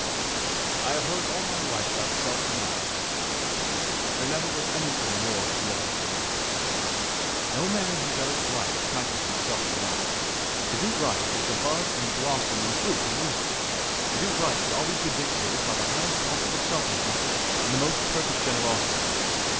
I have heard all my life about self denial. There never was anything more idiotic than that. No man who does right practices self denial. To do right is the bud and blossom and fruit of wisdom. To do right should always be dictated by the highest possible selfishness and the most perfect generosity.